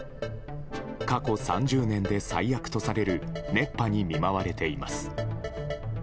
過去３０年で最悪とされる熱波に見舞われています。